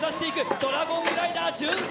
ドラゴングライダー、順逆。